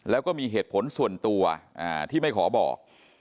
แล้วก็มีเหตุผลส่วนตัวที่ไม่ขอบอก